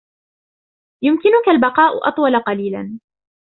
يمكنك البقاء أطول قليلا ؟